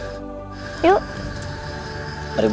nggak apa apa pak yartie